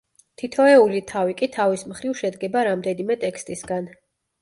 თითოეული თავი კი თავის მხრივ შედგება რამდენიმე ტექსტისგან.